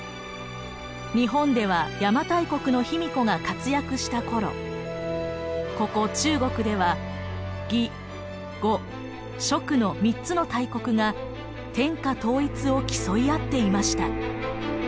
日本では邪馬台国の卑弥呼が活躍した頃ここ中国では魏呉蜀の３つの大国が天下統一を競い合っていました。